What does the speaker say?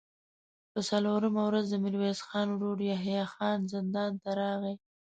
په څلورمه ورځ د ميرويس خان ورو يحيی خان زندان ته راغی.